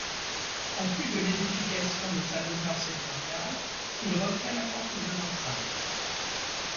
En plus de l'édification de sa demeure seigneuriale, il refait la porte de l'enceinte.